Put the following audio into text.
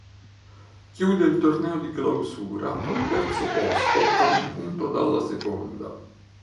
Chiude il torneo di Clausura al terzo posto ad un punto dalla seconda.